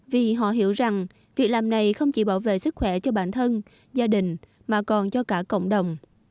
vì họ hiểu rằng việc làm này không chỉ bảo vệ sức khỏe cho bản thân gia đình mà còn cho cả cộng đồng